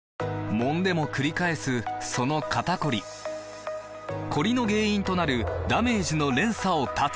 もんでもくり返すその肩こりコリの原因となるダメージの連鎖を断つ！